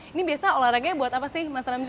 ini biasa olahraganya buat apa sih mas ramli